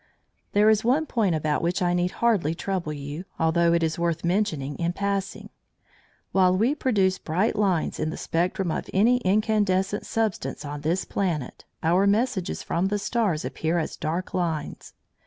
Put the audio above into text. There is one point about which I need hardly trouble you, although it is worth mentioning in passing. While we produce bright lines in the spectrum of any incandescent substance on this planet, our messages from the stars appear as dark lines.